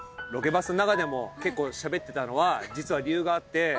ロケバスの中でも結構しゃべってたのは実は理由があって。